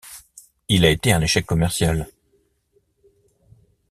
Il a été un échec commercial.